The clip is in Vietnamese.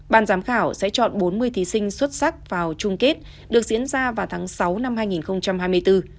ban giám khảo sẽ chọn bốn mươi thí sinh xuất sắc vào chung kết được diễn ra vào tháng sáu năm hai nghìn hai mươi bốn